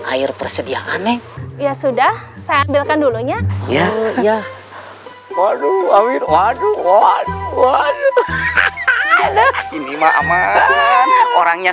air persediaannya ya sudah saya ambilkan dulunya ya waduh waduh waduh waduh enak ini mah aman orangnya